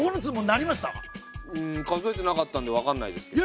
うん数えてなかったんで分かんないですけど。